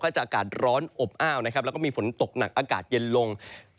จะอากาศร้อนอบอ้าวนะครับแล้วก็มีฝนตกหนักอากาศเย็นลง